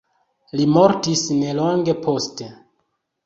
Li mortis nelonge poste.